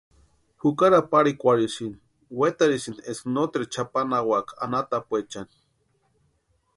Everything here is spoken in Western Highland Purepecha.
Jukari aparhikwarhisinti, wetarhisïnti eska noteru chʼapanhawaka anhatapuechani.